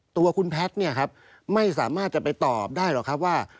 ตัวคุณแพทย์เนี่ยครับไม่สามารถจะไปตอบได้หรอกครับว่า